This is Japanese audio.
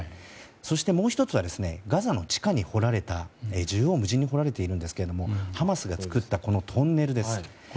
そしてもう１つはガザの地下に縦横無尽に掘られているんですがハマスが作ったトンネルです。